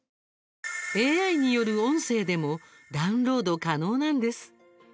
ＡＩによる音声でもダウンロード可能なんです。